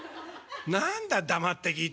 何だ黙って聞い